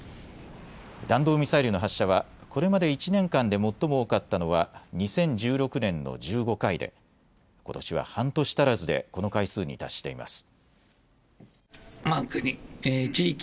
弾道ミサイルの発射はこれまで１年間で最も多かったのは２０１６年の１５回でことしは半年足らずでこの回数に達しています。